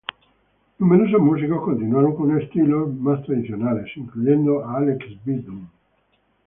Numerosos músicos continuaron con estilos más tradicionales, incluyendo a Alex Beaton.